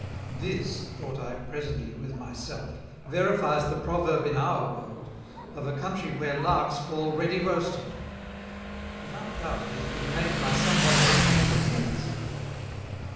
This, thought I presently with my self, verifies the Proverb in our World, of a Country where Larks fall ready Roasted; without doubt it has been made by some Body that came from hence.